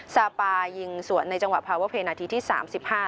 ซาปายิงสวนในจังหวะพาเวอร์เพย์นาทีที่๓๕